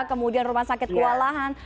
kemudian rumah sakit kelelahan